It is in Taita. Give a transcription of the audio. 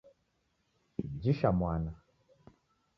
Jisha mwana